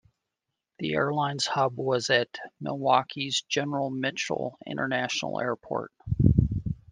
The airline's hub was at Milwaukee's General Mitchell International Airport.